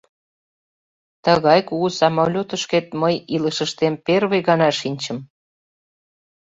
Тыгай кугу самолётышкет мый илышыштем первый гана шинчым.